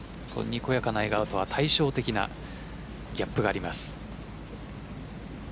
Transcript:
にこやかな笑顔とは対照的なギャップがあります。